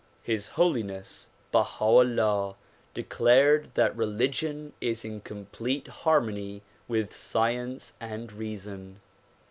His Holiness Baha 'Ullah declared that religion is in complete harmony with science and reason.